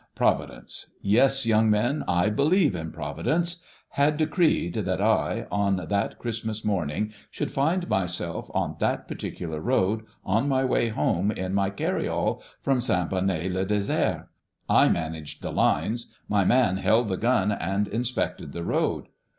Providence yes, young men, I believe in a Providence had decreed that I, on that Christmas morning, should find myself on that particular road on my way home in my carryall from St. Bonnet le Désert. I managed the lines; my man held the gun and inspected the road.